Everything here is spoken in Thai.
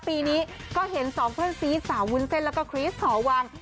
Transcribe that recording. ปีนี้ก็เห็นสองเพื่อนซีสาววุ้นเส้นแล้วก็คริสหอวัง